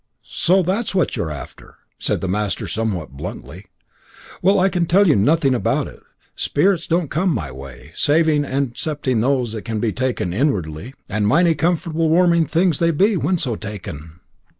"So that's what you're after!" said the master somewhat bluntly. "Well, I can tell you nothing about it; sperits don't come in my way, saving and excepting those which can be taken inwardly; and mighty comfortable warming things they be when so taken.